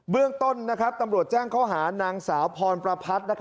เรื่องต้นตำรวจแจ้งข้อหานางสาวพรประพัฒน์